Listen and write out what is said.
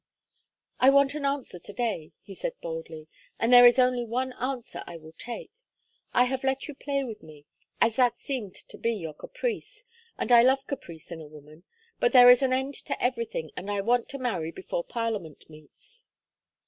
"I want an answer to day," he said, boldly. "And there is only one answer I will take. I have let you play with me, as that seemed to be your caprice, and I love caprice in a woman. But there is an end to everything and I want to marry before Parliament meets."